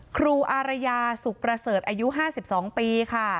อารยาสุขประเสริฐอายุ๕๒ปีค่ะ